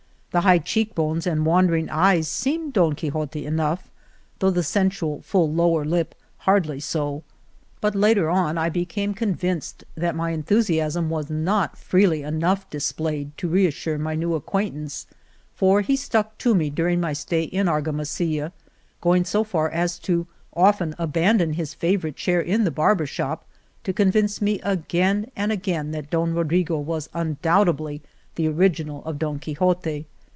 The high 55 Argamasilla cheek bones and wandering eyes seemed Don Quixote enough, though the sensual full lower lip hardly so. But later on I became convinced that my enthusiasm was not free ly enough displayed to reassure my new ac quaintance, for he stuck to me during my stay in Argamasilla, going so far as to often abandon his favorite chair in the barber shop to convince me again and again that Don Rodrigo was undoubtedly the original of Don Quixote.